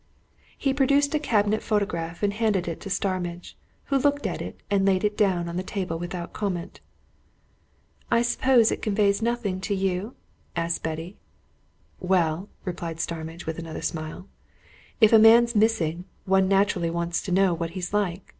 He produced a cabinet photograph and handed it to Starmidge, who looked at it and laid it down on the table without comment. "I suppose that conveys nothing to you?" asked Betty. "Well," replied Starmidge, with another smile, "if a man's missing, one naturally wants to know what he's like.